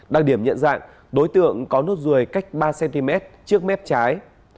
đặc điểm nhận dạng đối tượng có nốt ruồi cách ba cm trước mép trái